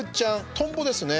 トンボですね。